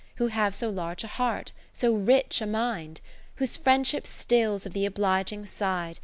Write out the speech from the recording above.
Who have so large a heart, so rich a mind ; Whose Friendship still's of the oblig ing side.